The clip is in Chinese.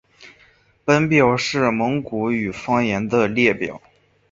本表是蒙古语方言的列表。